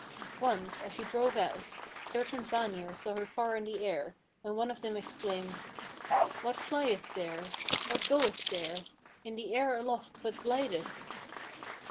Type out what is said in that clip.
Once, as she drove out, certain Vanir saw her car in the air, when one of them exclaimed, "'What flieth there? What goeth there? In the air aloft what glideth?'